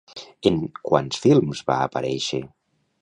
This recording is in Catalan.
En quants films va aparèixer?